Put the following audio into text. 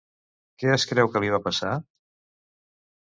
Què es creu que li va passar?